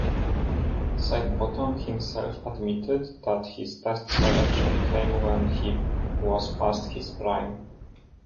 Sidebottom himself admitted that his Test selection came when he was past his prime.